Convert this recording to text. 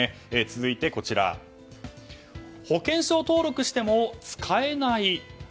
続いて、保険証登録しても使えない。